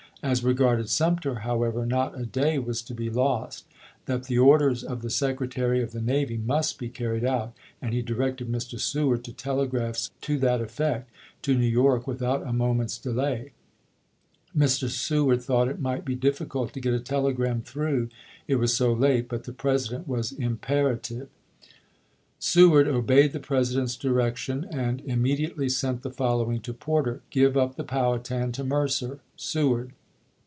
As regarded Sumter, however, not a day was to be lost — that the orders of the Secretary of the Navy must be carried out, and he directed Mr. Seward to telegraph to that effect to New York without a moment's delay. Mr. Welles In Reward thought it might be difficult to get a telegram "Gaiiixy," through, it was so late, but the President was impera Nov., 1870, ,. pp. 628, 629. tlVe. Ibid., pp. 633, 634. Seward obeyed the President's direction and im mediately sent the following to Porter :" Give up the Powhatan to Mercer. — Seward."